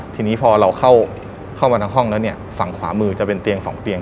ทีนี้พอเราเข้ามาทางห้องแล้วเนี่ยฝั่งขวามือจะเป็นเตียงสองเตียง